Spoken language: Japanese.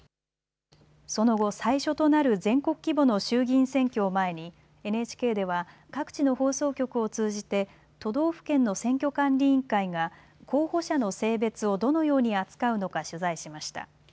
その後、最初となる全国規模の衆議院選挙を前にＮＨＫでは各地の放送局を通じて都道府県の選挙管理委員会が候補者の性別をどのように扱うのか取材しました。